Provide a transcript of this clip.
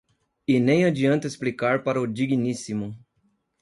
E nem adianta explicar para o digníssimo.